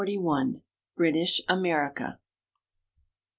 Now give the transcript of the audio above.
XLI. BRITISH AMERICA.